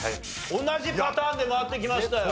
同じパターンで回ってきましたよ。